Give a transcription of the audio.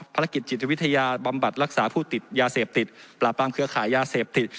ภารกิจจิตวิทยาบำบัดรักษาผู้ติดยาเสพติดปราบปรามเครือขายยาเสพติด